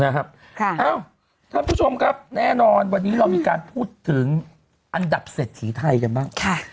ท่านผู้ชมครับแน่นอนวันนี้เรามีการพูดถึงอันดับเศรษฐีไทยกันบ้าง